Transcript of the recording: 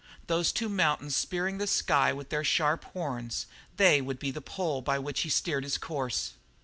Those two mountains, spearing the sky with their sharp horns they would be the pole by which he steered his course.